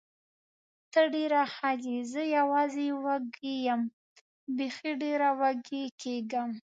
ته ډېره ښه یې، زه یوازې وږې یم، بېخي ډېره وږې کېږم.